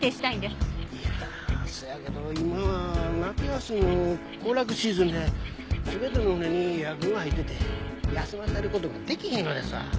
いやあそやけど今は夏休みの行楽シーズンで全ての船に予約が入ってて休ませる事ができへんのですわ。